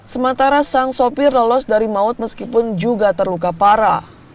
sementara sang sopir lolos dari maut meskipun juga terluka parah